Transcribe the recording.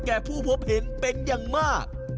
ผู้พบเห็นเป็นอย่างมาก